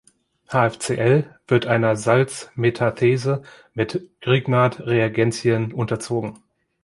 HfCl wird einer Salzmetathese mit Grignard-Reagenzien unterzogen.